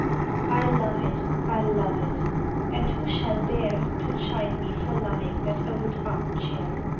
I love it, I love it; and who shall dare To chide me for loving that old arm chair?